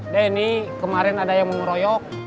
denny kemarin ada yang mau ngeroyok